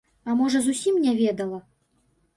А можа зусім не ведала?